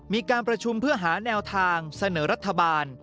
มีการประชุมเพื่อหาแนวทางเสนอรัฐบาล